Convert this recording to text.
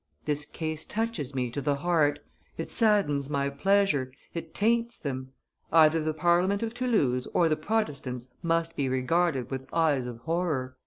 ... This case touches me to the heart; it saddens my pleasures, it taints them. Either the Parliament of Toulouse or the Protestants must be regarded with eyes of horror."